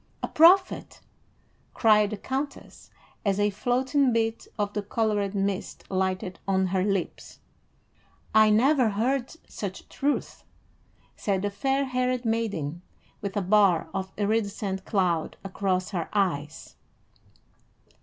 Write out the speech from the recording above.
"A prophet!" cried the countess, as a floating bit of the colored mist lighted on her lips. "I never heard such truth," said the fair haired maiden, with a bar of iridescent cloud across her eyes.